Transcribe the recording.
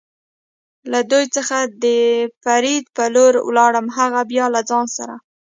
له دوی څخه د فرید په لور ولاړم، هغه بیا له ځان سره.